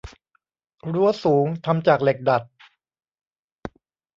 รั้วสูงทำจากเหล็กดัด